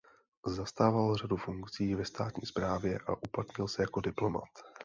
Zastával řadu funkcí ve státní správě a uplatnil se jako diplomat.